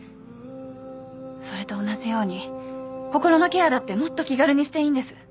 それと同じように心のケアだってもっと気軽にしていいんです。